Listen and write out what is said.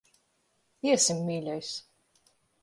Iesim, mīļais.